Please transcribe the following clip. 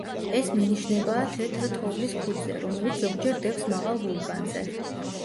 ეს მინიშნებაა თეთრ თოვლის ქუდზე, რომელიც ზოგჯერ დევს მაღალ ვულკანზე.